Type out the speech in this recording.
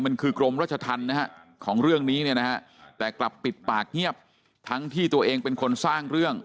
มันคือกรมรัชธรรมนะฮะของเรื่องนี้เนี่ยนะฮะแต่กลับปิดปากเงียบทั้งที่ตัวเองเป็นคนสร้างเรื่อง